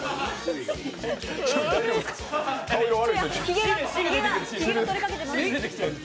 ひげが取れかけてます。